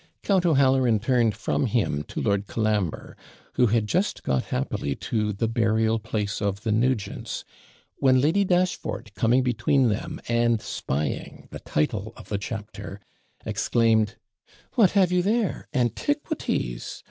Count O'Halloran turned from him to Lord Colambre, who had just got happily to THE BURIAL PLACE OF THE NUGENTS, when Lady Dashfort, coming between them, and spying the title of the chapter, exclaimed 'What have you there? Antiquities!